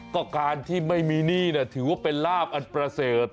ก็การที่ไม่มีหนี้ถือว่าเป็นลาบอันประเสริฐ